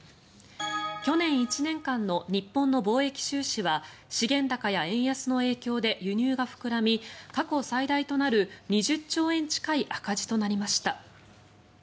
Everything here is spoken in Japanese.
去年１年間の日本の貿易収支は資源高や円安の影響で輸入が膨らみ過去最大となる２０兆円近い赤字となりました。